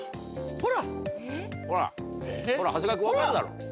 ほら長谷川君分かるだろ。